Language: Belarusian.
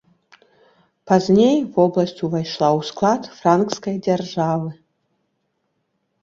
Пазней вобласць увайшла ў склад франкскай дзяржавы.